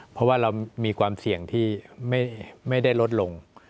เพราะว่าเรามีความเสี่ยงที่ไม่ได้ลดลง